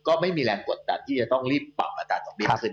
ก็ไม่มีแรงกดดันที่จะต้องรีบปรับอัตราดอกเบี้ยขึ้น